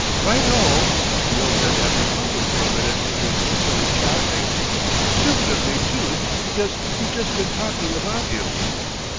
"Right O! The old man had me puzzled for a minute with his silly chaffing. Stupid of me, too, because we'd just been talking about you."